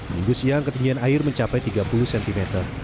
minggu siang ketinggian air mencapai tiga puluh cm